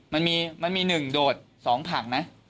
มันมี๑โดด๒ผังนะ